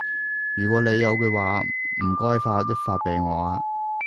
如果你有嘅話，唔該發一發畀我啊